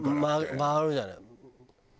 回るじゃない。